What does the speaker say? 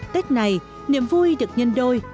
tết này niềm vui được nhân đôi